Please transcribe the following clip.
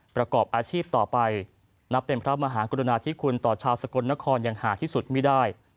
ประกอบอาชีพต่อไปนับเป็นพระมหากรุณาธิคุณต่อชาวสกลนครอย่างหาที่สุดไม่ได้